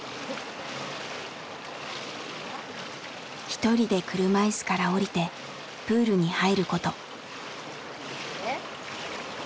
一人で車いすから降りてプールに入ること。